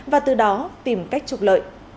và từ đó tìm cách trục lợi